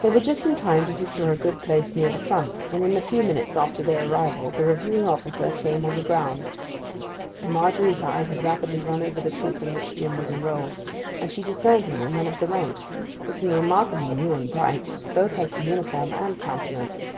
They were just in time to secure a good place near the front, and in a few minutes after their arrival the reviewing officer came on the ground. Margery's eye had rapidly run over the troop in which Jim was enrolled, and she discerned him in one of the ranks, looking remarkably new and bright, both as to uniform and countenance.